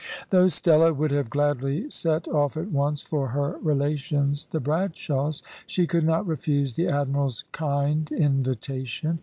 Though Stella would have gladly set off at once for her relations the Bradshaws, she could not refuse the admiral's kind invitation.